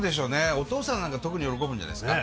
お父さんなんか特に喜ぶんじゃないですか？